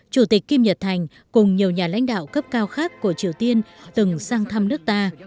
chủ tịch kim nhật thành cùng nhiều nhà lãnh đạo cấp cao khác của triều tiên từng sang thăm nước ta